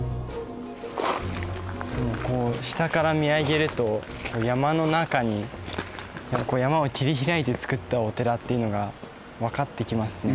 こう下から見上げると山の中に山を切り開いて作ったお寺っていうのが分かってきますね。